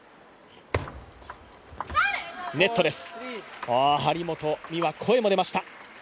ネットです、張本美和、声も出ました。